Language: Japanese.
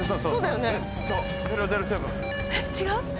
そう。